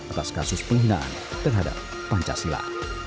atas kasus penghinaan terhadap pancasila